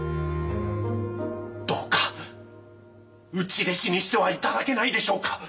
どうか内弟子にしては頂けないでしょうか。